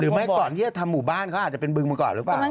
ไม่ก่อนที่จะทำหมู่บ้านเขาอาจจะเป็นบึงมาก่อนหรือเปล่า